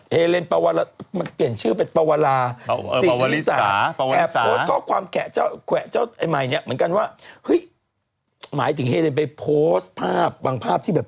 เฮเลนปาวามันเปลี่ยนชื่อเป็นปาวาราเออเออปาวาริสรสิริษระปาวาริสร